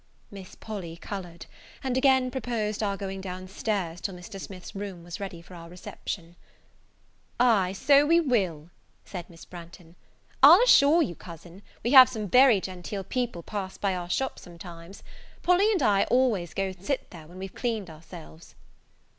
Miss Polly coloured, and again proposed our going down stairs till Mr. Smith's room was ready for our reception. "Aye, so we will," said Miss Branghton; "I'll assure you, cousin, we have some very genteel people pass by our shop sometimes. Polly and I always go and sit there when we've cleaned ourselves."